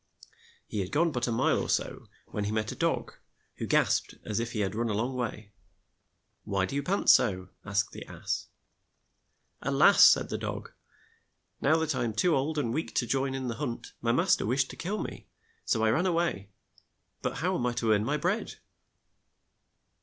He had gone but a mile or so when he met a dog, who gasped as if he had run a long way. "Why do you pant so?'* asked the ass. "A las!" said the dog, "Now that I am too old and weak to join in the hunt, my mas ter wished to kill me, so I ran a way ; but how am I to earn my bread?"